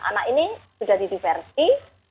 anak ini sudah didiversi